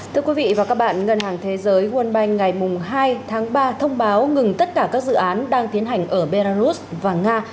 thưa quý vị và các bạn ngân hàng thế giới world bank ngày hai tháng ba thông báo ngừng tất cả các dự án đang tiến hành ở belarus và nga